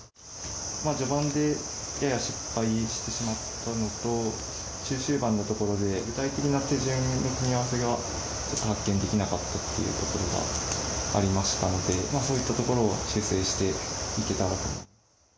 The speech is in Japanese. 序盤でやや失敗してしまったのと、中終盤のところで、具体的な手順の組み合わせが発見できなかったというところがありましたので、そういったところを修正していけたらと。